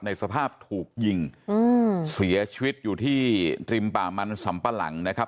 สภาพถูกยิงอืมเสียชีวิตอยู่ที่ริมป่ามันสำปะหลังนะครับ